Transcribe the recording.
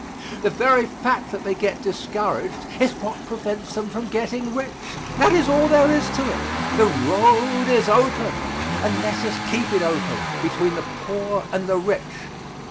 The very fact that they get discouraged is what prevents them from getting rich. That is all there is to it. The road is open, and let us keep it open between the poor and the rich.